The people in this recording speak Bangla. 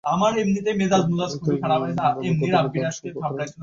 এঁদের নামে গুদামে ধান সরবরাহ করা হয়েছে এবং টাকাও নেওয়া হয়েছে।